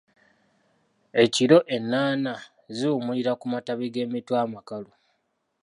Ekiro ennaana ziwummulira ku matabi g'emiti amakalu.